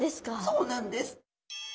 そうなんです。